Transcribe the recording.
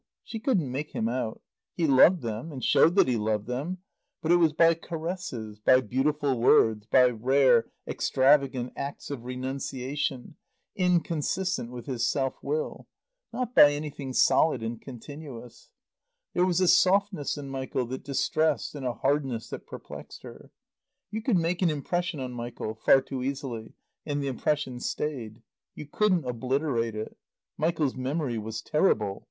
She couldn't make him out. He loved them, and showed that he loved them; but it was by caresses, by beautiful words, by rare, extravagant acts of renunciation, inconsistent with his self will; not by anything solid and continuous. There was a softness in Michael that distressed and a hardness that perplexed her. You could make an impression on Michael far too easily and the impression stayed. You couldn't obliterate it. Michael's memory was terrible.